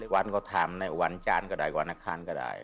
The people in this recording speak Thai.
วันก็ถามในวันจานก็ได้วันอาคารก็ได้